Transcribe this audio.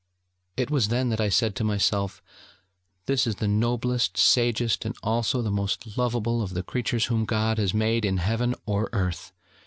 It was then that I said to myself: 'This is the noblest, sagest, and also the most loveable, of the creatures whom God has made in heaven or earth.